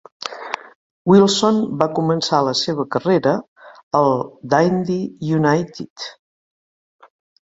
Wilson va començar la seva carrera al Dundee United.